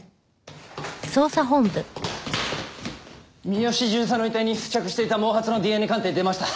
三好巡査の遺体に付着していた毛髪のＤＮＡ鑑定出ました。